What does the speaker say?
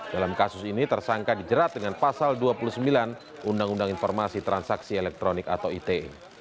dalam kasus ini tersangka dijerat dengan pasal dua puluh sembilan undang undang informasi transaksi elektronik atau ite